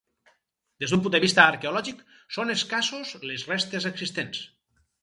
Des d'un punt de vista arqueològic són escassos les restes existents.